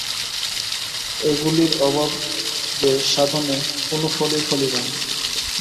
এগুলির অভাবে সাধনে কোন ফলই ফলিবে না।